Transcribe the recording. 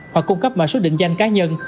hoặc cung cấp mạng xuất định danh cá nhân